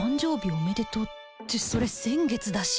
おめでとうってそれ先月だし